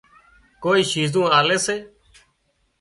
ڪوئي شِيزُون آلي سي